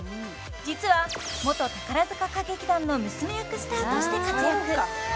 実は元宝塚歌劇団の娘役スターとして活躍